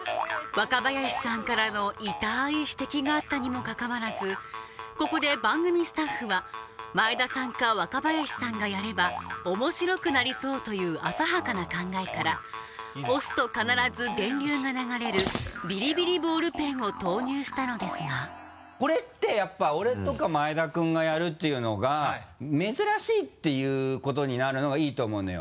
若林さんからの痛い指摘があったにもかかわらずここで番組スタッフは前田さんか若林さんがやれば面白くなりそうという浅はかな考えから押すと必ず電流が流れるビリビリボールペンを投入したのですがこれってやっぱ俺とか前田君がやるっていうのが珍しいっていうことになるのがいいと思うのよ。